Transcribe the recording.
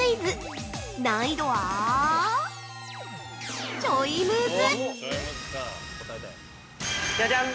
難易度はちょいムズ。